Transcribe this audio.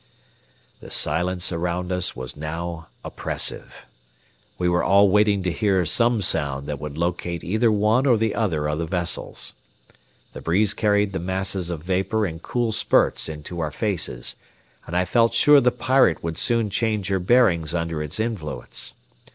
The silence around us was now oppressive. We were all waiting to hear some sound that would locate either one or the other of the vessels. The breeze carried the masses of vapor in cool spurts into our faces, and I felt sure the Pirate would soon change her bearings under its influence.